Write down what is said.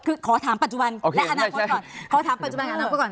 คือขอถามปัจจุบันและอนาคตก่อน